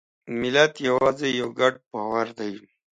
ملت یوازې یو ګډ باور دی.